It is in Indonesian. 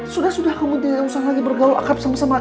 sudah sudah kamu tidak usah lagi bergowo akrab sama sama